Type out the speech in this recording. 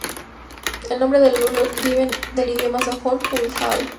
El nombre de Ludlow vino del idioma sajón "Hlud-Hlaw".